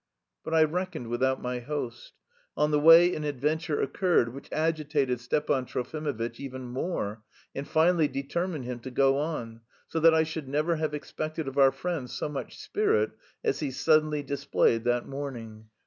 But I reckoned without my host. On the way an adventure occurred which agitated Stepan Trofimovitch even more, and finally determined him to go on... so that I should never have expected of our friend so much spirit as he suddenly displayed that morning.